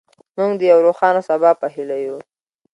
موږ د یو روښانه سبا په هیله یو.